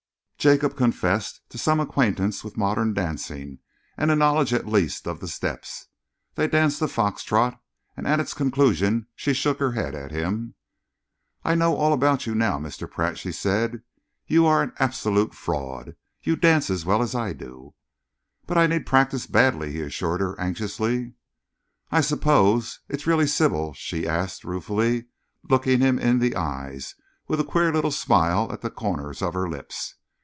Jacob confessed to some acquaintance with modern dancing and a knowledge at least of the steps. They danced a fox trot, and at its conclusion she shook her head at him. "I know all about you now, Mr. Pratt," she said. "You are an absolute fraud. You dance as well as I do." "But I need practice badly," he assured her anxiously. "I suppose it's really Sybil?" she asked ruefully, looking him in the eyes with a queer little smile at the corners of her lips.